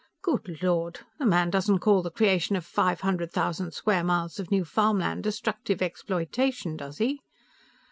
"Good Lord! The man doesn't call the creation of five hundred thousand square miles of new farmland destructive exploitation, does he?"